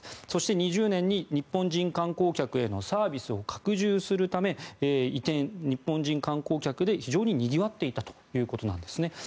そして２０年に日本人観光客へのサービスを拡充するため日本人観光客で非常ににぎわっていたということです。